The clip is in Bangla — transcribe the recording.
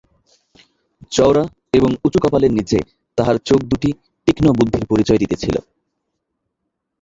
চওড়া এবং উঁচু কপালের নীচে তাঁহার চোখ দুটি তীক্ষ্ণ বুদ্ধির পরিচয় দিতেছিল।